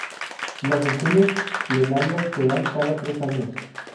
Las sesiones plenarias se dan cada tres años.